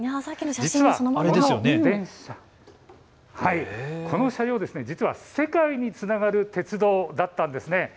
実はこの電車、この車両、世界につながる鉄道だったんです。